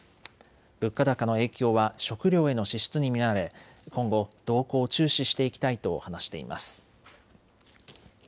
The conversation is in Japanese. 物価高の影響は食料への支出に見られ今後の動向を注視していきたいと話しています。